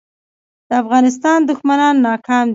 د افغانستان دښمنان ناکام دي